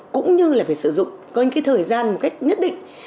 cũng như là phải sử dụng có những cái thời gian một cách nhất định